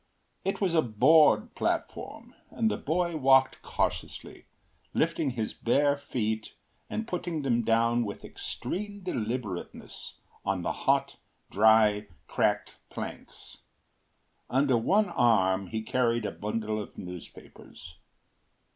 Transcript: It was a board platform, and the boy walked cautiously, lifting his bare feet and putting them down with extreme deliberateness on the hot, dry, cracked planks. Under one arm he carried a bundle of newspapers.